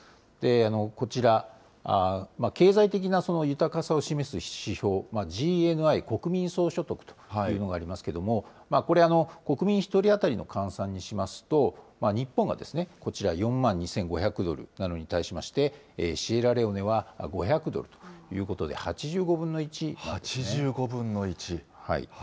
こちら、経済的な豊かさを示す指標、ＧＮＩ・国民総所得というのがありますけれども、これ、国民１人当たりの換算にしますと、日本はこちら、４万２５００ドルなのに対しまして、シエラレオネは５００ドルということで、８５分の１なんですね。